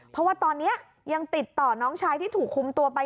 เพราะว่าตอนนี้ยังติดต่อน้องชายที่ถูกคุมตัวไป